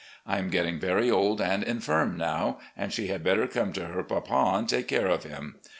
I am getting very old and infirm now, and she had better come to her papa and take care of him.